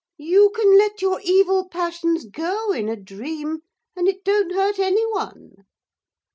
You can let your evil passions go in a dream and it don't hurt any one.'